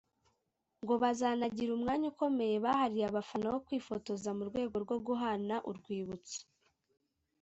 ngo bazanagira umwanya ukomeye bahariye abafana wo kwifotoza mu rwego rwo guhana urwibutso